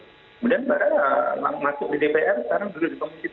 kemudian barat masuk di dpr sekarang juga dipanggil c tujuh